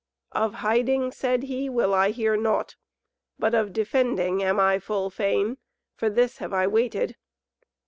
"Of hiding," said he, "will I hear naught, but of defending am I full fain. For this have I waited."